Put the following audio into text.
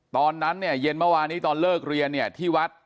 ตอนนั้นเย็นเมื่อวานนี้ตอนเลิกเรียนที่วัด